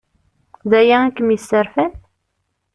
D aya i kem-yesserfan?